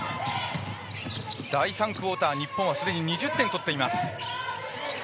第３クオーター、日本はすでに２０点取っています。